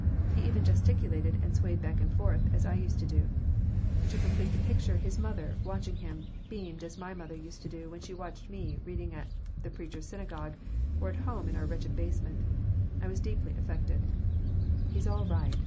He even gesticulated and swayed backward and forward as I used to do. To complete the picture, his mother, watching him, beamed as my mother used to do when she watched me reading at the Preacher's Synagogue or at home in our wretched basement. I was deeply affected "He's all right!"